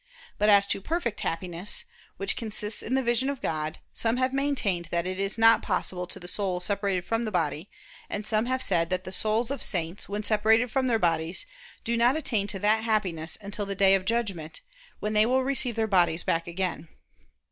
But as to perfect Happiness, which consists in the vision of God, some have maintained that it is not possible to the soul separated from the body; and have said that the souls of saints, when separated from their bodies, do not attain to that Happiness until the Day of Judgment, when they will receive their bodies back again.